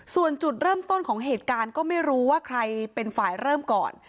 ส่วนจุดเริ่มต้นของเหตุการณ์ก็ไม่รู้ว่าใครเป็นฝ่ายเริ่มก่อน